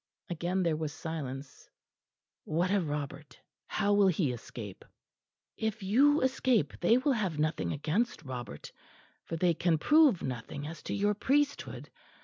Again there was silence. "What of Robert? How will he escape?" "If you escape they will have nothing against Robert; for they can prove nothing as to your priesthood.